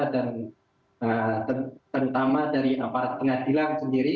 dan terutama dari aparat pengadilan sendiri